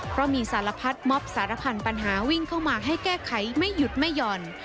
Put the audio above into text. เพราะมีสารพัดม็อบสารพันธ์ปัญหาวิ่งเข้ามาให้แก้ไขไม่หยุดไม่หย่อน